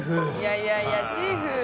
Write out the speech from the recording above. いやいやチーフ。